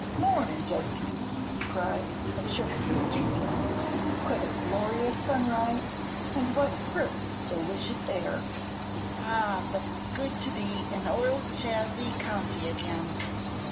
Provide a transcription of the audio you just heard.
"Mornin', Judkins!" he cried, and shook the agent's hand. "What a glorious sunrise, and what crisp, delicious air! Ah, but it's good to be in old Chazy County again!"